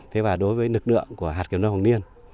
thế và đối với lực lượng của hạt kiểm lâm hoàng liên